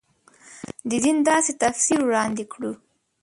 د دین داسې تفسیر وړاندې کړو.